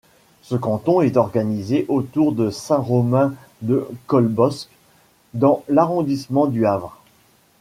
Ce canton est organisé autour de Saint-Romain-de-Colbosc dans l'arrondissement du Havre.